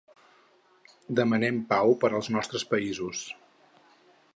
Demanem pau per als nostres països.